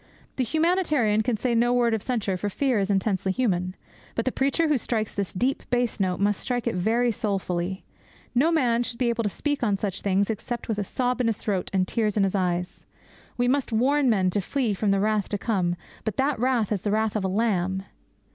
The humanitarian can say no word of censure, for fear is intensely human. But the preacher who strikes this deep bass note must strike it very soulfully. No man should be able to speak on such things except with a sob in his throat and tears in his eyes. We must warn men to flee from the wrath to come; but that wrath is the wrath of a Lamb.